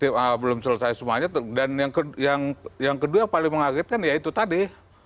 belum selesai semuanya dan yang kedua yang paling mengagetkan ya itu tadi